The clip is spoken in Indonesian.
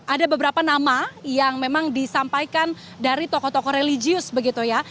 ada beberapa nama yang memang disampaikan dari tokoh tokoh religius begitu ya